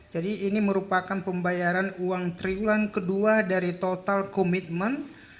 jadi ini merupakan pembayaran uang triulanan kedua dari total komitmen